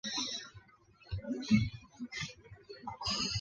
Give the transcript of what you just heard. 克隆有时候是指成功地鉴定出某种显性的基因。